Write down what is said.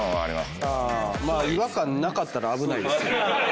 まあ違和感なかったら危ないですけど。